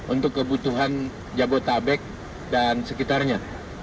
untuk kebutuhan jabode tabek dan sekitarnya